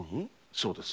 そうです。